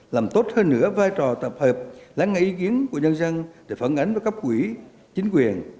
làm tốt hơn nữa vai trò tập hợp lãng ngã ý kiến của nhân dân để phản ánh với các quỹ chính quyền